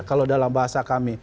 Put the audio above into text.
kalau dalam bahasa kami